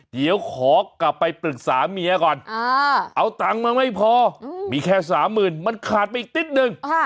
เดี๋ยวขอกลับไปปรึกษาเมียก่อนเอาตังค์มาไม่พอมีแค่สามหมื่นมันขาดไปอีกนิดนึง